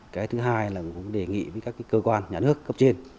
cái thứ hai là cũng đề nghị với các cơ quan nhà nước cấp trên